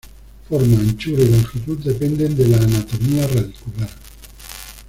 Forma, anchura y longitud dependen de la anatomía radicular.